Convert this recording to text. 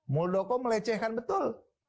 muldoko melecehkan betul